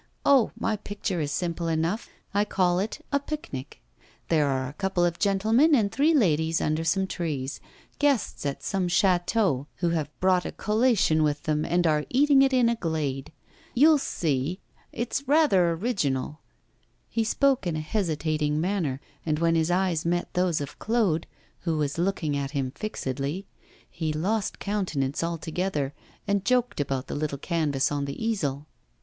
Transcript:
Oh! my picture is simple enough I call it "A Picnic." There are a couple of gentlemen and three ladies under some trees guests at some château, who have brought a collation with them and are eating it in a glade. You'll see, it's rather original.' He spoke in a hesitating manner, and when his eyes met those of Claude, who was looking at him fixedly, he lost countenance altogether, and joked about the little canvas on the easel.